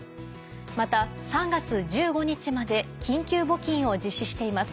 また３月１５日まで緊急募金を実施しています。